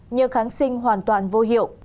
như kháng sinh hoàn toàn vô hiệu